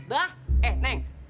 dah eh neng